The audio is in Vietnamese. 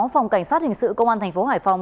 phòng cảnh sát hình sự công an tp hải phòng